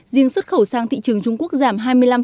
riêng xuất khẩu sang thị trường trung quốc giảm hai mươi năm